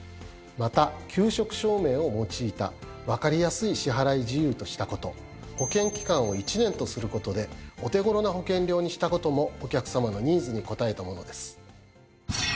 また休職証明を用いた分かりやすい支払事由としたこと保険期間を１年とすることでお手頃な保険料にしたこともお客さまのニーズに応えたものです。